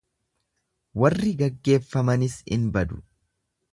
Warri geggeeffamanis in badu.